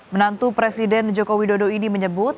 menantu presiden joko widodo ini menyebut